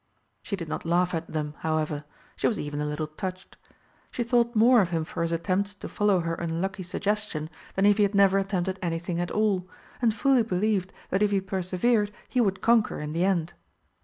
She did not laugh at them, however; she was even a little touched. She thought more of him for his attempts to follow her unlucky suggestion than if he had never attempted anything at all, and fully believed that if he persevered he would conquer in the end.